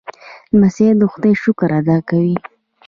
لمسی د خدای شکر ادا کوي.